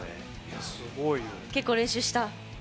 結構、練習した？